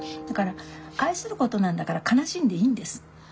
だから愛することなんだから悲しんでいいんです。